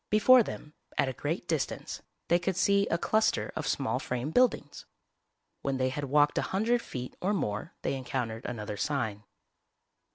Before them, at a great distance, they could see a cluster of small frame buildings. When they had walked a hundred feet or more they encountered another sign.